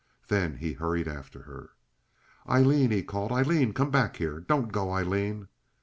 Then he hurried after. "Aileen!" he called. "Aileen, come back here! Don't go, Aileen!"